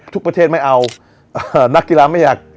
ทุกประเทศไม่เอานักกีฬาไม่อยาก